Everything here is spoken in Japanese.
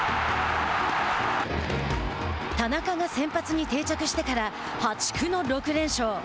田中が先発に定着してから破竹の６連勝。